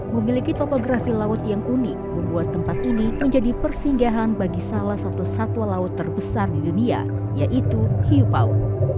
memiliki topografi laut yang unik membuat tempat ini menjadi persinggahan bagi salah satu satwa laut terbesar di dunia yaitu hiupau